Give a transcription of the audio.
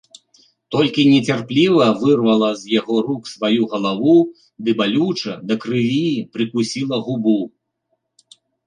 Толькі нецярпліва вырвала з яго рук сваю галаву ды балюча, да крыві, прыкусіла губу.